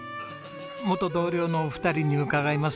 元同僚のお二人に伺います。